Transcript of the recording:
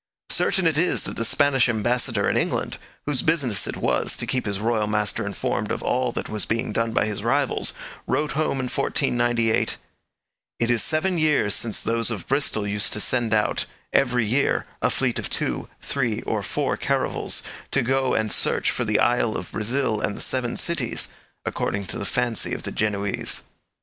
Certain it is that the Spanish ambassador in England, whose business it was to keep his royal master informed of all that was being done by his rivals, wrote home in 1498: 'It is seven years since those of Bristol used to send out, every year, a fleet of two, three, or four caravels to go and search for the Isle of Brazil and the Seven Cities, according to the fancy of the Genoese.'